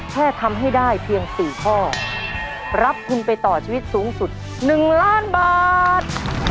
แค่ทำให้ได้เพียง๔ข้อรับทุนไปต่อชีวิตสูงสุด๑ล้านบาท